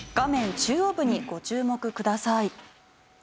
中央部にご注目ください。